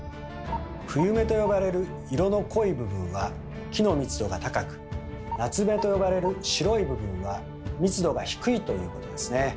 「冬目」と呼ばれる色の濃い部分は木の密度が高く「夏目」と呼ばれる白い部分は密度が低いということですね。